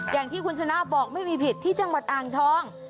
อย่างที่คุณชนะบอกไม่มีผิดที่จังหวัดอ่างทอง